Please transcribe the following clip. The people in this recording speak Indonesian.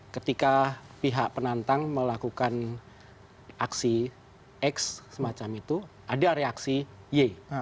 ketika pihak penantang melakukan aksi x semacam itu ada reaksi y